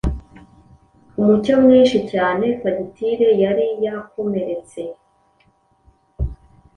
Umucyo mwinshi cyane fagitire yari yakomeretse